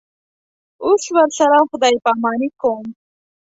اوس ورسره خدای پاماني کوم.